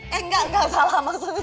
eh enggak enggak salah maksudnya